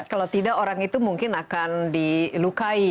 kalau tidak orang itu mungkin akan dilukai